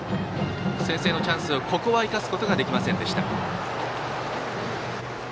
先制のチャンスを、ここは生かすことができませんでした。